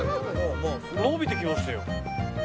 伸びてきましたよ。